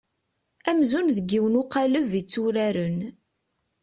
Amzun deg yiwen uqaleb i tturaren.